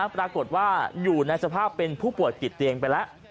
ปรากฏว่าอยู่ในสภาพเป็นผู้ป่วยติดเตียงไปแล้ว